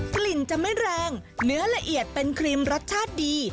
กลิ่นจะไม่แรงเนื้อละเอียดเป็นครีมรสชาติดี